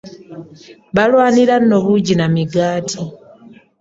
Balwanira nno buugi na migaati